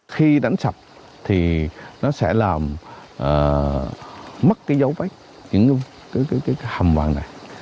khi đánh sập thì nó sẽ làm mất cái dấu vách những cái hầm vàng này